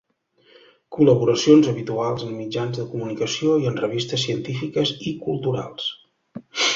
Col·laboracions habituals en mitjans de comunicació, i en revistes científiques i culturals.